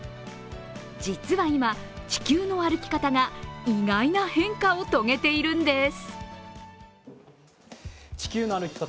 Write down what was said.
実は今、「地球の歩き方」が意外な変化を遂げているんです。